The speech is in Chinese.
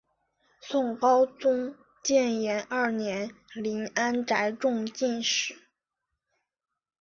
宋高宗建炎二年林安宅中进士。